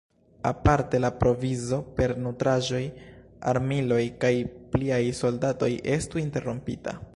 Aparte la provizo per nutraĵoj, armiloj kaj pliaj soldatoj estu interrompita.